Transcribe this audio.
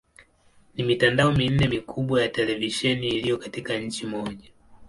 Ni mitandao minne mikubwa ya televisheni iliyo katika nchi moja.